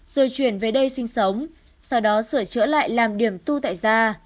rồi chuyển về đây sinh sống sau đó sửa chữa lại làm điểm tu tại ra